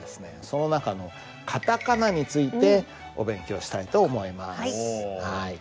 その中のカタカナについてお勉強したいと思います。